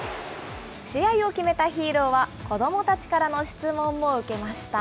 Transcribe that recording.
試合を決めたヒーローは、子どもたちからの質問も受けました。